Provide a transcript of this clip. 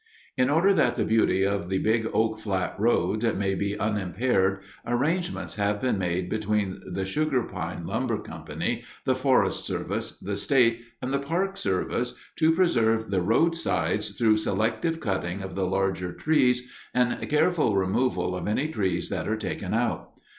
In order that the beauty of the Big Oak Flat Road may be unimpaired, arrangements have been made between the Sugar Pine Lumber Co., the Forest Service, the State, and the Park Service to preserve the roadsides through selective cutting of the larger trees and careful removal of any trees that are taken out.